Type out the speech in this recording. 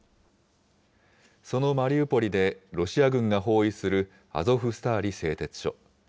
そのマリウポリでロシア軍が包囲するアゾフスターリ製鉄所。